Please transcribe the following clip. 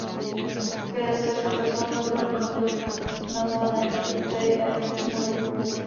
Také začal pracovat na druhém albu nazvaném "The Day After Tomorrow".